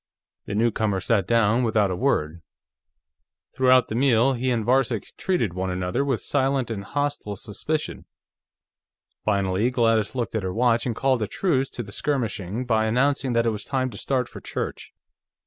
The newcomer sat down without a word; throughout the meal, he and Varcek treated one another with silent and hostile suspicion. Finally Gladys looked at her watch and called a truce to the skirmishing by announcing that it was time to start for church.